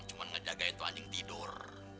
cuma ngejaga itu anjing tidur